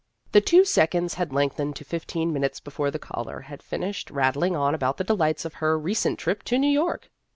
The two seconds had lengthened to fifteen minutes before the caller had finished rattling on about the delights of her re cent trip to New York.